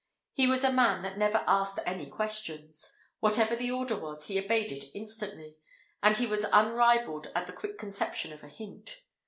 He was a man that never asked any questions; whatever the order was, he obeyed it instantly, and he was unrivalled at the quick conception of a hint.